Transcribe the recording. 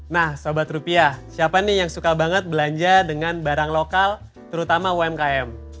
nah sobat rupiah siapa nih yang suka banget belanja dengan barang lokal terutama umkm